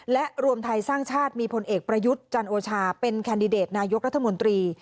และรวมไทยสร้างชาติมีพลเอกประยุทธ์จันโอชาเป็นแคนดิเดตนายกรัฐมนตรี